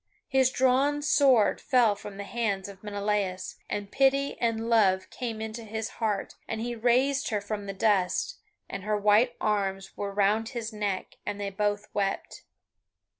His drawn sword fell from the hands of Menelaus, and pity and love came into his heart, and he raised her from the dust and her white arms were round his neck, and they both wept.